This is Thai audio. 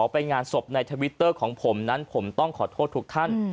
ไปงานศพในทวิตเตอร์ของผมนั้นผมต้องขอโทษทุกท่าน